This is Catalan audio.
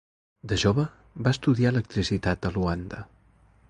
De jove va estudiar electricitat a Luanda.